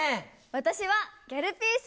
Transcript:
私はギャルピース。